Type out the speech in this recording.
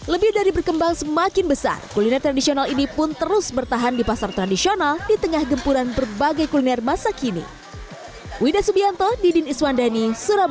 lebih dari berkembang semakin besar kuliner tradisional ini pun terus bertahan di pasar tradisional di tengah gempuran berbagai kuliner masa kini